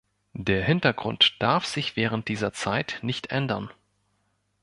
Der Hintergrund darf sich während dieser Zeit nicht ändern.